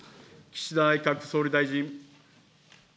岸田内閣総理大臣。